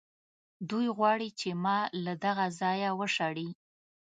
دوی غواړي چې ما له دغه ځایه وشړي.